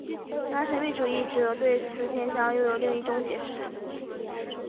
然而神秘主义者对此现象又有另一种解释。